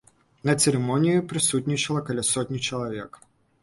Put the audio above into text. На цырымоніі прысутнічала каля сотні чалавек.